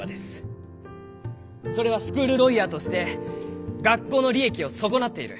それはスクールロイヤーとして学校の利益を損なっている。